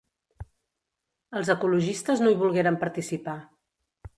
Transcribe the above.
Els ecologistes no hi volgueren participar.